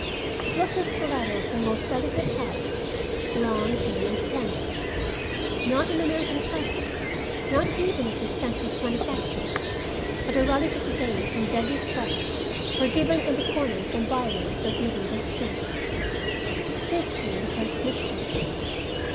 It was a stiletto of the most delicate type, long, keen and slender. Not an American product, not even of this century's manufacture, but a relic of the days when deadly thrusts were given in the corners and by ways of medieval streets. This made the first mystery.